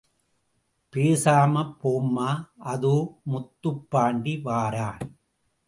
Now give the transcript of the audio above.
பேசாம போம்மா... அதோ முத்துப்பாண்டி வாரான்.